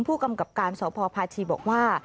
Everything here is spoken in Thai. ผู้กำกับการสพพาชีบอกว่า